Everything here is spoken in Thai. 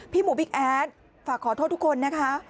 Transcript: หมูบิ๊กแอดฝากขอโทษทุกคนนะคะ